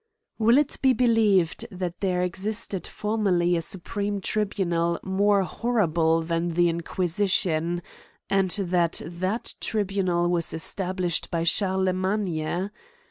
WILL it be believed that there existed form, erly a supreme tribunal more horrible than the In quisition ; and that that tribunal was established by Charlemagne